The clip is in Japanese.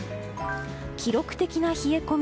記録的な冷え込み。